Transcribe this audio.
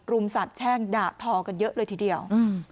รุมศาตร์แช่งด่าทอกันเยอะเลยทีเดียว